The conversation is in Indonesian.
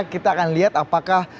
kita akan lihat apakah